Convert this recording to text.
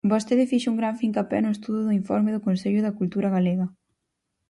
Vostede fixo un gran fincapé no estudo do informe do Consello da Cultura Galega.